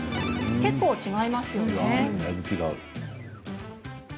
結構、違いますよね？